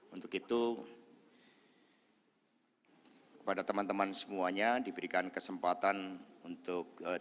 untuk itu kepada teman teman semuanya diberikan kesempatan untuk